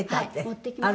持ってきました。